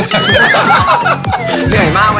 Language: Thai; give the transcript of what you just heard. เหนื่อยมากวันนี้